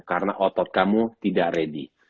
karena otot kamu tidak siap